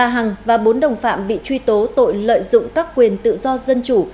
ba hằng và bốn đồng phạm bị truy tố tội lợi dụng các quyền tự do dân chủ